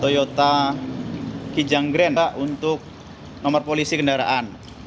toyota kijang grand pak untuk nomor polisi kendaraan